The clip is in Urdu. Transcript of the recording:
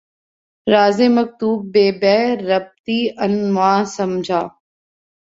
رازِ مکتوب بہ بے ربطیٴ عنواں سمجھا